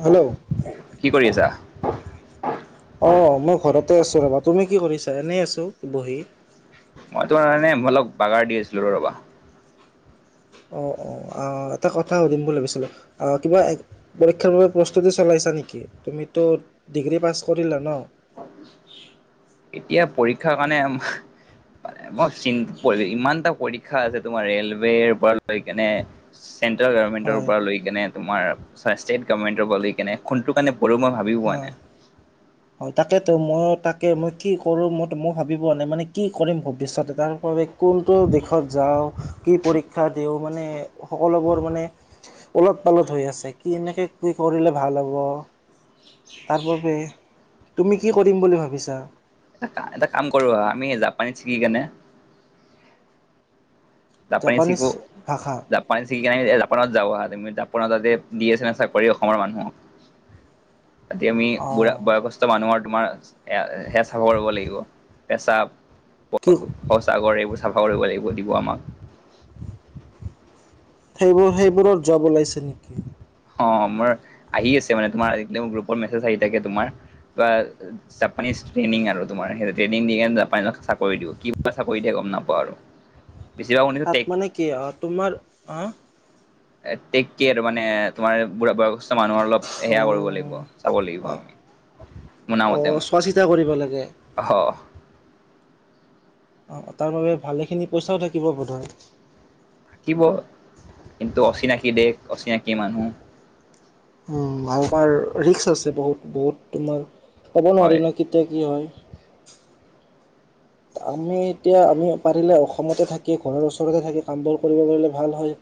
Hello কি কৰি আছা? অঁ মই ঘৰতে আছোঁ ৰ'বা, তুমি কি কৰিছা, এনেই আছোঁ বহি। মই তোমাৰ এনেই অলপ বাগাৰ দি আছিলো ৰবা। অঁ অঁঁ এটা কথা সুধিম বুলি ভাবিছিলোঁ কিবা পৰীক্ষাৰ বাবে প্ৰস্তুতি চলাইছা নেকি তুমিতো ডিগ্ৰী পাছ কৰিলা ন এতিয়া পৰীক্ষাৰ কাৰণে মই চীন পৰি ইমান এটা পৰীক্ষা আছে তোমাৰ ৰেলৱেপৰা লৈ কেনে চেন্ট্ৰেল গভমেণ্টৰ হয় পৰা লৈ কেনে তোমাৰ ষ্টেট গভমেণ্টৰ পৰা লৈ কেনে খোনটোৰ কাৰণে পঢ়ো মই ভাবি পোৱা হয় নাই। হয় তাকেতো মই তাকে মই কি কৰোঁ মইো মই ভাবি পোৱা নাই মানে কি কৰিম ভৱিষ্যতে তাৰ বাবে কোনটো দিশত যাওঁ কি পৰীক্ষা দিওঁ মানে সকলোবোৰ মানে উলত পালত হৈ আছে কি কেনেকে কি কৰিলে ভাল হ'ব তাৰ বাবে তুমি কি কৰিম বুলি ভাবিছা? [unintelligible] এটা কাম কৰো আমি জাপানী চিকি কেনে যাপানিছ জাপানীজ শিকো ভাষা জাপানিছ শিকি কেনে জাপানত যাওঁ আহাঁ জাপানত দী আছে নহয় অসমৰ মানুহক আতিয়া আমি অ বুঢ়া বয় ক মানুহৰ তোমাৰ হে চাফা কৰিব লাগিব পেচাব কি সঁচা গৰ এইবোৰ চাফা কৰিব লাগিব দিব আমাক। সেইবোৰ সেইবোৰৰ যব ওলাইছে নেকি? অ মোৰ আহি আছে মানে তোমাৰ একদম গ্ৰুপৰ মেজ আহি থাকে তোমাৰ বা জাপানিছ ট্ৰেনিং আৰু তোমাৰ হেঁটো দিকিনে জাপানত চাকৰি দিব কি বা চাকৰি দিয়ে গম নাপাও আৰু [inaudible] শুনিছো তাত টেক মানে কি অ তোমাৰ অ এ টেকে আৰু মানে তোমাৰ বুঢ় বয়সস্থ মানুহৰ অলপ অ সেয়া কৰিব লাগিব চাব অ লাগিব আমি মুনা অ মতে মই চোৱা চিতা কৰিব লাগে অহ। অ তাৰ বাবে ভালেখিনি পইচাও থাকিব বধে থাকিব কিন্তু অচিনাকি দেশ অচিনাকি মানুহ ভাল পাৰ ৰিস্ক আছে বহুত বহুত তোমাৰ ক'ব হয় নোৱাৰি ন কেতিয়া কি হয়। আমি এতিয়া আমি পাৰিলে অসমতে থাকি ঘৰৰ ওচৰতে থাকি কামবোৰ কৰিব পাৰিলে ভাল হয়।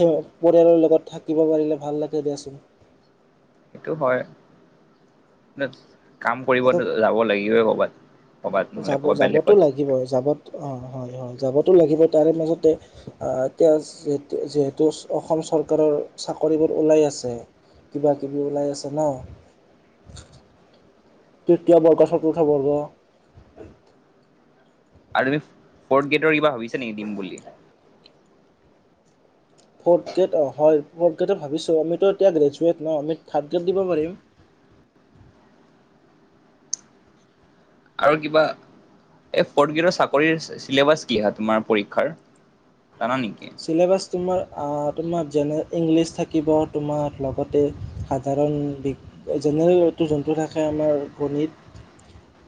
তীয় পৰিয়ালৰ লগত থাকিব পাৰিলে ভাল লাগে দিয়াচোন। সেইটো হয়, কাম কৰিব এটা যাব লাগিবএ কৰ'বাত। কৰ'বাত নহ'লে যাব ক'ৰবাত যাবতো বেলেগত লাগিব যাব অ হয় হয় যাবতো লাগিব তাৰে মাজতে আহ এতিয়া যিহেতু অসম চৰকাৰৰ চাকৰিবোৰ ওলাই আছে। কিবা কিবি ওলাই আছে ন তৃতীয় বৰ্গ চতুৰ্থ বৰ্গ আৰু তুমি ফৰ্থ গেটৰ কিবা ভাবিছা নেকি দিম বুলি ফ'ৰ্থ গ্ৰেড অ হয় ফৰ্থ গ্ৰেড ভাবিছোঁ আমিতো এতিয়া গ্ৰেজুৱেট ন আমি থাৰ্ড গ্ৰেড দিব পাৰিম। আৰু কিবা এই ফৰ্ড গ্ৰেডৰ চাকৰি চিলেবাছ কি হা তোমাৰ পৰীক্ষাৰ। জানা নেকি চিলেবাছ তোমাৰ তোমাৰ যেনে ইংলিছ থাকিব তোমাৰ লগতে সাধাৰণ বি- জেনেৰেল এইটো জোনটো থাকে আমাৰ গণিত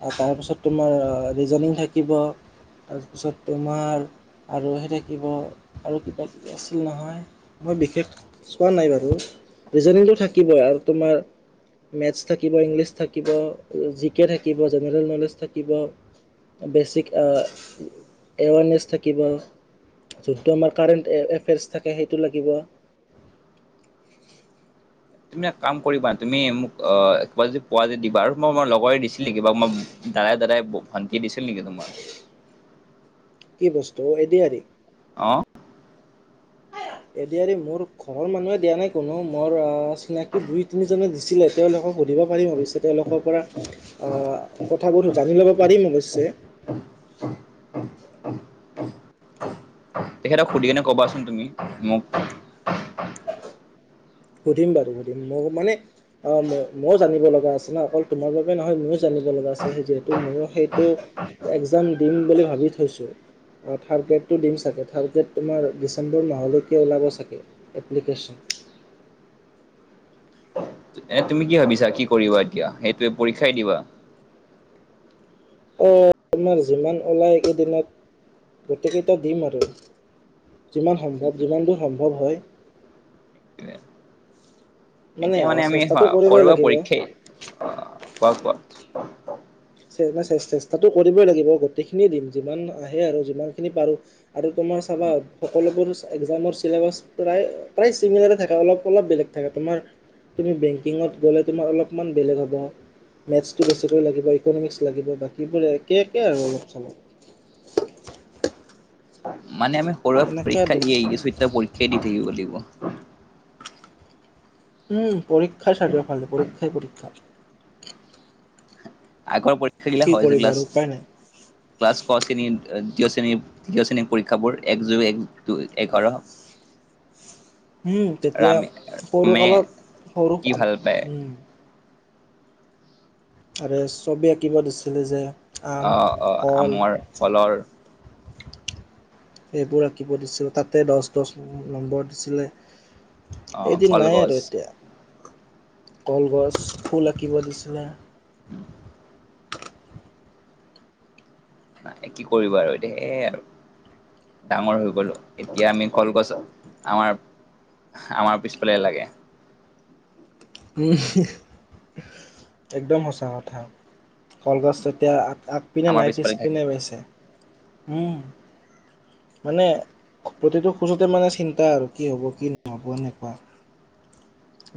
তাৰপিছত তোমাৰ ৰিজনিং থাকিব তাৰপিছত তোমাৰ আৰু সেই থাকিব আৰু কিবা কিবি আছিল নহয় মই বিশেষ চোৱা নাই বাৰু ৰিজনেলটো থাকিবই আৰু তোমাৰ - মেথছ থাকিব, ইংলিছ থাকিব, জি কে থাকিব, জেনেৰেল নলেজ থাকিব - বেচিক এ এৱাৰনেছ থাকিব। টো আমাৰ কাৰেণ্ট এফেয়াৰছ থাকে সেইটো লাগিব। তুমি এক কাম কৰিবা, তুমি মোক অ কিবা যদি পোৱা যদি দিবা আৰু মই মই লগৰে দিছিলি কিবা মই - দাদাই দাদাই ভান্তিয়ে দিছিল নেকি তোমাৰ? কি বস্তু এ ডি আৰ ই? অ। এ দি আৰ ই মোৰ ঘৰৰ মানুহে দিয়া নাই কোনো মোৰ অ চিনাকি দুই তিনি জনে দিছিলে। তেওঁলোকক সুধিব পাৰিম অৱশ্যে তেওঁলোকৰ পৰা কথাবোৰ জানি ল'ব পাৰিম অৱশ্যে। তেখেতক সুধি কিনে কবাচোন তুমি মোক। সুধিম বাৰু সুধিম মোক মানে - অ মইয়ো জানিব লগা আছে ন অকল তোমাৰ বাবে নহয় মইয়ো জানিব লগা আছে যিহেতু মোৰো সেইটো- একজাম দিম বুলি ভাবি থৈছোঁ। অঁ থাৰ্ড গ্ৰেডটো দিম চাগে থাৰ্ড গ্ৰেড তোমাৰ ডিচেম্বৰ মাহলৈকে ওলাব চাগে। এপ্লিকেশ্যন। এ তুমি কি ভাবিছা কি কৰিবা এতিয়া, সেইটোয়ে পৰীক্ষাই দিবা? অঁ তোমাৰ যিমান ওলায় এইকেইদিনত গোটেইকেইটা দিম আৰু। যিমান সম্ভৱ যিমান দূৰ সম্ভৱ হয়। এতিয়া আ, মানে আমি চেষ্টাটো কৰিবই সৰুৱা লাগিব। পৰীক্ষাই - অ কোৱা কোৱা। [unintelligible] চে চেষ্টাটো কৰিবই লাগিব গোটেইখিনিয়ে দিম, যিমান আহে আৰু যিমানখিনি পাৰো। আৰু তোমাৰ চাবা সকলোবোৰ একজামৰ চিলেবাচ - প্ৰায় প্ৰায় চিমিলাৰে থাকে অলপ অলপ বেলেগ থাকে তোমাৰ - তুমি বেংকিংত গলে তোমাৰ অলপমান বেলেগ হব মেটচটো বেচিকৈ লাগিব। টো ইংলিছ লাগিব বাকীবোৰ একে একে আৰু অলপ চলপ। মানে আমি সৰুৰ পৰা পৰীক্ষা দি আহি আছো এতিয়া ও পৰীক্ষাই দি থাকিব লাগিব। উম পৰীক্ষাৰ চাৰিওফালে পৰীক্ষাই পৰীক্ষা। আগৰ পৰীক্ষা গিলা কি হয় যে কৰিবা ক্লাছ আৰু উপায় নাই ক্লাছ ক শ্ৰেণী দ্বিতীয় শ্ৰেণীত - তৃতীয় শ্ৰেণীৰ পৰীক্ষাবোৰ এক যোগ এক দুই এঘাৰ - আৰু উম তেতিয়া ৰামে সৰু ৰামে কালত সৰু কি ভাল পায়? উম আৰু ছবি আঁকিব দিছিলে যে - অ' অ' আমৰ, কলৰ - এইবোৰ আঁকিব দিছিলে তাতে দচ দচ নম্বৰ দিছিলে। আহ এদিন নাই কলগছ আৰু এতিয়া কলগছ ফুল আঁকিব দিছিলে- নাই কি কৰিবা আৰু এতিয়া সেয়ে আৰু - ডাঙৰ হৈ গলো এতিয়া আমি কলগছত আমাৰ - আমাৰ পিছফালে লাগে। একদম সঁচা কথা, কলগছ তেতিয়া - আগপিনে আমাৰ নাই পিছফালে থাকে পিছপিনে পাইছে, উম মানে - প্ৰতিটো খোজতে মানে চিন্তা আৰু কি হব কি নহব এনেকুৱা -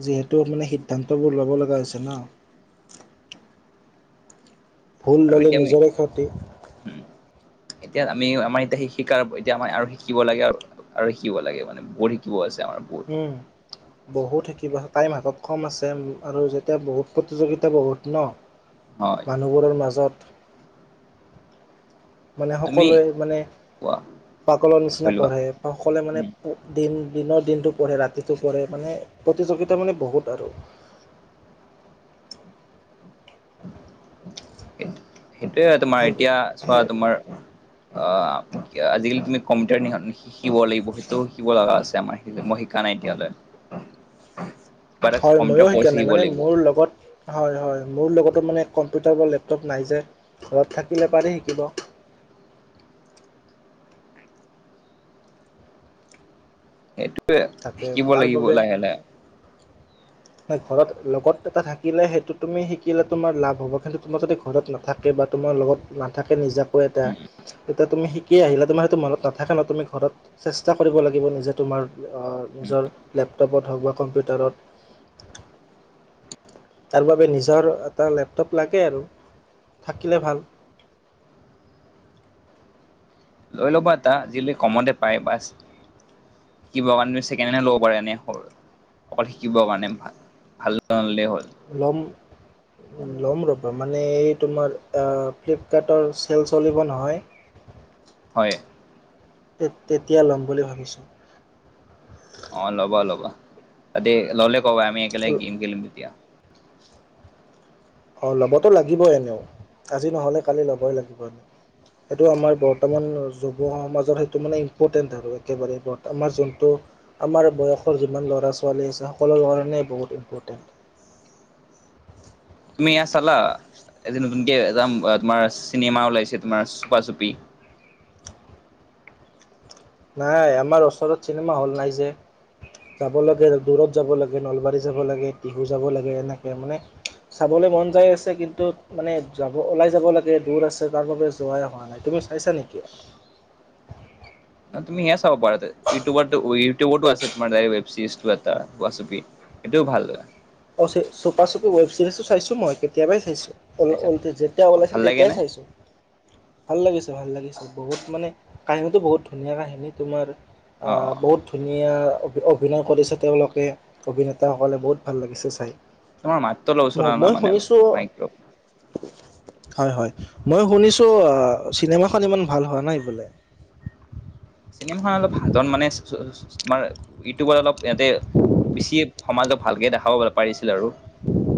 যিহেতু মানে সিদ্ধান্তবোৰ ল'ব লগা হৈছে ন। ভুল ল'লে নিজৰে ক্ষতি - উম, এতিয়া আমি আমাৰ এতিয়া শিকাৰ এতিয়া আম আৰু শিকিব লাগে আৰু - আৰু শিকিব লাগে মানে বহুত শিকিব আছে আমাৰ [inaudible] বহুত থাকিব টাইম হাতত কম আছে আৰু যেতিয়া বহুত প্ৰতিযোগিতা বহুত ন হয়। মানুহবোৰৰ মাজত মানে তুমি সকলোৱে মানে কোৱা পাগলৰ কৈ নিচিনা লোৱা পঢ়ে সকলে মানে দিন দিনৰ দিনটো পঢ়ে ৰাতিটো পঢ়ে মানে প্ৰতিযোগিতা মানে বহুত আৰু সেইটোয়ে হয় তোমাৰ সেইবোৰ এতিয়া চোৱা সেই তোমাৰ অ' আজিকালি তুমি কম্পিউটাৰ শিকিব লাগিব সেইটোও শিকিব লগা আছে আমাৰ মই শিকা নাই এতিয়ালৈ কিবা এটা হয় ময়ো কম্পিউটাৰ কৰ্চ শিকা নাই শিকিব মানে লাগিব মোৰ লগত হয় হয় মোৰ লগতো মানে কম্পিউটাৰ বা লেপটপ নাই যে ঘৰত থাকিলে পাৰি শিকিব। সেইটোয়ে তাকে শিকিব তাৰ লাগিব বাবে লাহে লাহে ঘৰত লগত এটা থাকিলে সেইটো তুমি শিকিলে তোমাৰ লাভ হ'ব কিন্তু তোমাৰ যদি ঘৰত নাথাকে বা তোমাৰ লগত নাথাকে নিজাকৈ এটা উম এতিয়া তুমি শিক কি আহিলে তোমাৰ সেইটো মন নথকা ন তুমি ঘৰত চেষ্টা কৰিব লাগিব নিজে তোমাৰ উম নিজৰ লেপটপত হওক বা কম্পিউটাৰত তাৰ বাবে নিজৰ এটা লেপটপ লাগে আৰু থাকিলে ভাল। [inaudible] লৈ ল'ব এটা আজিকালি কমতে পায় বাছ শিকিব কাৰণে ছেকেণ্ড হেণ্ড লবা এনে সৰু অকল শিকিবৰ কাৰণে ভাল এটা আনিলে হ'ল লম ল'ম ৰ'বা মানে এই তোমাৰ ফ্লিপকাৰ্টৰ চেল চলিব নহয়। হয়। তেতিয়া ল'ম বুলি ভাবিছোঁ। অ' ল'বা ল'বা তাতে ল'লে ক'বা আমি একেলগ গেম খেলিম তেতিয়া অ' ল'বতো লাগিবই এনেও আজি নহ'লে কালি ল'বই লাগিব এনে [inaudible] সেইটো আমাৰ বৰ্তমান যুৱ সমাজৰ সেইটো মানে ইম্পৰ্টেণ্ট আৰু একেবাৰে আমাৰ যোনটো আমাৰ বয়সৰ যিমান ল'ৰা ছোৱালী আছে সকলৰ কাৰণে বহুত ইম্পৰ্টেণ্ট তুমি ইয়াত চালা এযে নতুনকে এ যাম তোমাৰ চিনেমা ওলাইছে তোমাৰ চুপা চুপি নাই আমাৰ ওচৰত চিনেমা হল নাই যে যাব লাগে দূৰত যাব লাগে নলবাৰী যাব লাগে টহু যাব লাগে এনেকে মানে চাবলৈ মন যাই আছে কিন্তু মানে যাব ওলাই যাব লাগে দূৰ আছে তাৰ বাবে যোৱাই অহা তুমি চাইছা নেকি? তুমি ইয়াত চাব পাৰা ইউটিউব ইউটিউব আছে ৱেব ছিৰিজ এটা সূপা চুপি এটোও ভাল। অ, চপা, চপি ৱেব চিৰিজটো চাইছো মই কেতিয়াবাই চাইছো। চাইছা ল, যেতিয়া অ, ভাল ওলাইছিল লাগে তেতিয়াই নে চাইছো। ভাল লাগিছে, ভাল লাগিছে বহুত মানে কাহিনীতটো বহুত ধুনীয়া কাহিনী তোমাৰ। অ বহুত ধুনীয়া অভিনয় কৰিছে, তেওঁলোকে অভিনেতা সকলে বহুত ভাল লাগিছে। এচাই। তোমাৰ মাতটো অলপ ওচৰলৈ অনা মানে মাইকটো। হয় হয় মই শুনিছো অ, চিনেমা খন ইমান ভাল হোৱা নাই বোলে। চিনেমা খন অলপ সাধন মানে তোমাৰ ইউটিউবৰ অলপ ইয়াতে বেছি সমাজক ভালকে দেখাব পা পাৰিছিল আৰু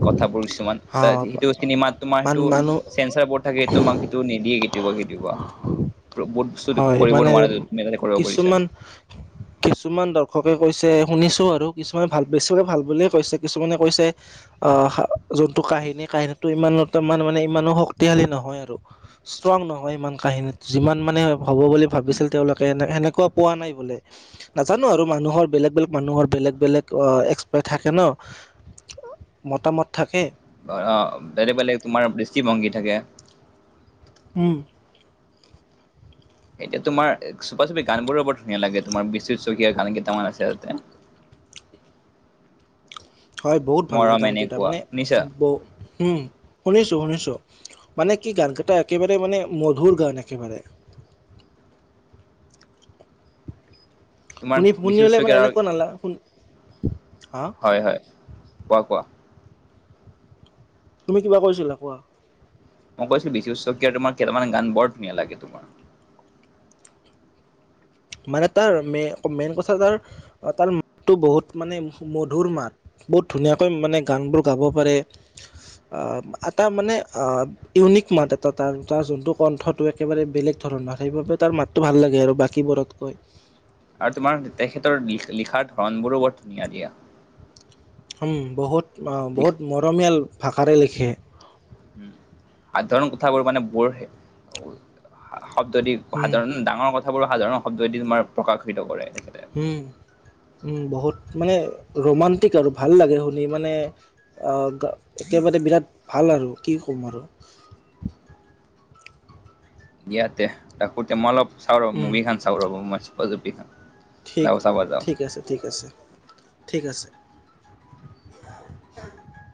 কথাবোৰ কিছুমান। অ এইতা ইটো চিনেমাত তোমাৰ মান সেইটো মানুহ চেন্ঞ্চাৰ বৰ্ড থাকে তোমাৰ। টো নিদিয়ে কেতিয়াবা কেতিয়াবা। বস্তু হয়, কৰিব মানে নোৱাৰা তুমি তাতে কৰিব কিছুমান [inaudible] কিছুমান দৰ্শকে কৈছে শুনিছো আৰু কিছুমানে ভাল বেছি ভাগ ভাল বুলিয়ে কৈছে কিছুমানে কৈছে। আঁহ যোনটো কাহিনী কাহিনীটো ইমান তা মানে ইমানো শক্তিশালী নহয় আৰু। ষ্ট্ৰং নহয়, ইমান কাহিনীত যিমান মানে হ'ব বুলি উম, ভাবিছিল তেওঁলোকে। তে সেনেকুৱা পোৱা নাই বোলে। নাজানো আৰু মানুহৰ বেলেগ, বেলেগ মানুহৰ বেলেগ, বেলেগ এক্সপাত থাকে ন। মতামত থাকে। অঁ বেলেগ বেলেগ তোমাৰ দৃষ্টিভংগী থাকে। উম। এতিয়া তোমাৰ চুপা চুপি গান বোৰো বৰ ধুনীয়া লাগে তোমাৰ বিশ্বজিত শকীয়াৰ গান কেইটামান আছে তাতে। হয় বহুত ভাল লাগে, মৰম গানকেইটা এনেকুৱা মানে শুনিছা ব উম, শুনিছো শুনিছো মানে কি গান কেইটা একেবাৰে মানে মধুৰ গান একেবাৰে। তোমাৰ শুনি বিশ্বজিৎ শুনে মানে শইকীয়াৰ আৰু এনেকুৱা নালাগে শুন, হা হয় হয় কোৱা কোৱা। তুমি কিবা কৈ আছিলা কোৱা। মই কৈছোঁ বিশ্বজিৎ শইকীয়া তোমাৰ কেইটামান গান বৰ ধুনীয়া লাগে তোমাৰ। মানে তাৰ মে মেইন কথা তাৰ মাতটো বহুত মানে মধুৰ মাত। বহুত ধুনীয়াকৈ মানে গানবোৰ গাব পাৰে, এটা মানে ইউনিক মাত এটা তাৰ, তাৰ যোনটো কণ্ঠটো একেবাৰে বেলেগ ধৰণৰ সেইবাবে তাৰ মাতটো ভাল লাগে আৰু বাকীবোৰত। হয়। আৰু তোমাৰ তেখেতৰ লিখাৰ ধৰণ বোৰো বৰ ধুনীয়া দিয়া। উম, বহুত বহুত মৰমীয়াল ভাষাৰে লিখে। সাধাৰণ কথাবোৰ মানে ব'ৰ হে, বহুত। শব্দদি উম সাধাৰণ ডাঙৰ কথাবোৰ সাধাৰণ শব্দদি তোমাৰ প্ৰকাশিত কৰে, তেখেতে। উম উম বহুত মানে ৰোমান্টিক আৰু ভাল লাগে শুনি মানে অঁ একেবাৰে বিৰাট ভাল আৰু কি ক'ম আৰু। ইয়াতে থাকোতে মই অলপ চাও ৰ, উম মুভি খান চাও ৰ চুপা চুপি খন ঠিক ঠিক আছে ঠিক আছে ঠিক আছে।